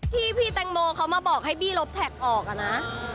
พี่แตงโมเขามาบอกให้บี้ลบแท็กออกอะนะ